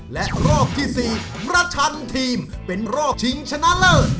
และรอบที่๔ประชันทีมเป็นรอบชิงชนะเลิศ